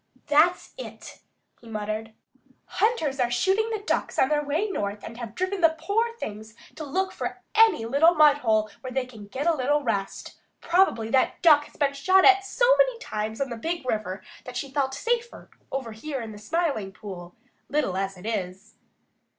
"That's it," he muttered. "Hunters are shooting the Ducks on their way north and have driven the poor things to look for any little mudhole where they can get a little rest. Probably that Duck has been shot at so many times on the Big River that she felt safer over here in the Smiling Pool, little as it is."